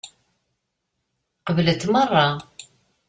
Qeblent meṛṛa.